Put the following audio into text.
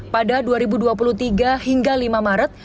pada dua ribu dua puluh tiga hingga lima maret